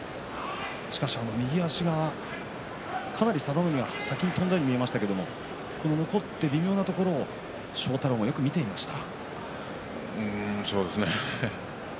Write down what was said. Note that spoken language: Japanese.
しかし右足が佐田の海はかなり先に飛んでいるように見えましたが残っていて微妙なところを庄太郎がよく見ていました。